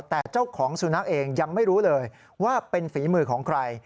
แต่เจ้าของสุนัขเองยังไม่รู้เลยว่าเป็นฝีมือของใคร